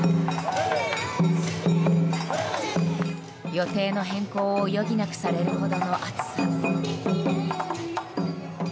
予定の変更を余儀なくされるほどの暑さ。